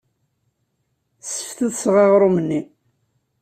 Sseftutseɣ aɣrum-nni.